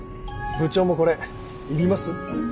部長もこれいります？